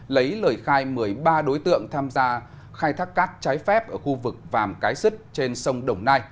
lấy lời khai một mươi ba đối tượng tham gia khai thác cát trái phép ở khu vực vàm cái sứt trên sông đồng nai